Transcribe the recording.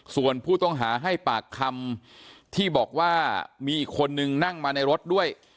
ส่วนผู้ต้องหาให้ปากคำที่บอกว่ามีอีกคนนึงนั่งมาในรถด้วย